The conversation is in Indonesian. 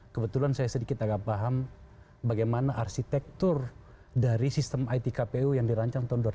kebetulan saya sedikit agak paham bagaimana arsitektur dari sistem itkpu yang dirancang tahun dua ribu dua